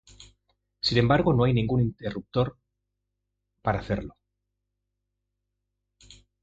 Sin embargo, no hay ningún interruptores para hacerlo.